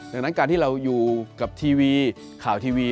ดังนั้นการที่เราอยู่กับทีวีข่าวทีวี